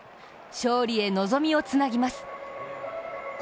勝利へ望みをつなぎます。